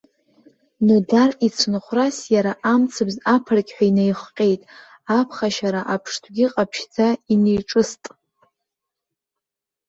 Нодар ицынхәрас иара амцабз аԥырқьҳәа инаихҟьеит, аԥхашьара аԥштәгьы ҟаԥшьӡа инеиҿыст.